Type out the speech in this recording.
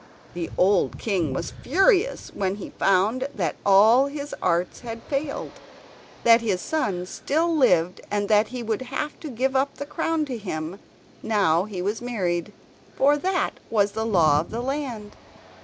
The old king was furious when he found that all his arts had failed; that his son still lived and that he would have to give up the crown to him now he was married, for that was the law of the land.